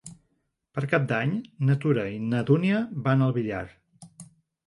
Per Cap d'Any na Tura i na Dúnia van al Villar.